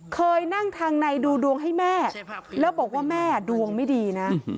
เคยนั่งทางในดูดวงให้แม่แล้วบอกว่าแม่ดวงไม่ดีนะ